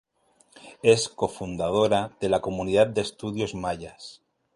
Es co-fundadora de la Comunidad de Estudios Mayas.